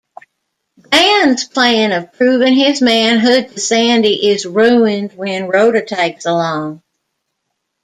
Dan's plan of proving his manhood to Sandy is ruined when Rhoda tags along.